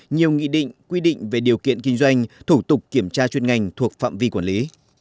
nhiều nghị định quy định về điều kiện kinh doanh thủ tục kiểm tra chuyên ngành thuộc phạm vi quản lý